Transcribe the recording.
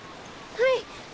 はい。